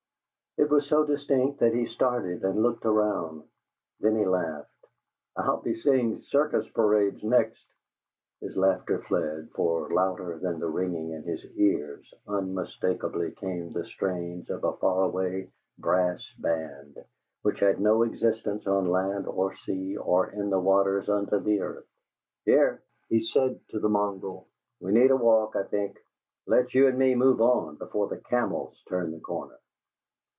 It was so distinct that he started and looked round. Then he laughed. "I'll be seeing circus parades next!" His laughter fled, for, louder than the ringing in his ears, unmistakably came the strains of a far away brass band which had no existence on land or sea or in the waters under the earth. "Here!" he said to the mongrel. "We need a walk, I think. Let's you and me move on before the camels turn the corner!"